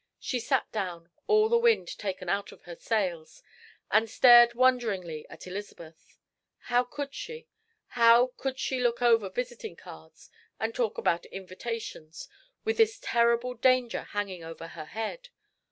She sat down, all the wind taken out of her sails, and stared wonderingly at Elizabeth. How could she how could she look over visiting cards and talk about invitations, with this terrible danger hanging over her head?